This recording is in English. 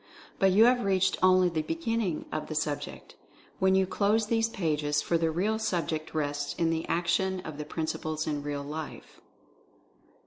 But you have reached only the beginning of the sub ject, when you close these pages, for the real subject rests in the action of the principles in real life.